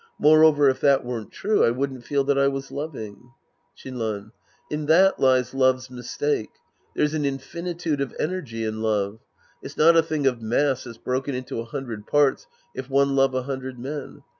Moreover, if that weren't true, I wouldn't feel that I was loving. Shinran. In that lies love's mistake. There's an infinitude of energy in love. It's not a thing of mass that's broken into a hundred parts if one love a hundred men.